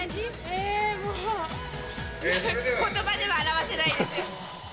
えー、もう、ことばでは表せないです。